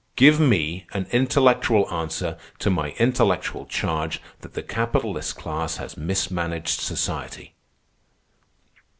Give me an intellectual answer to my intellectual charge that the capitalist class has mismanaged society."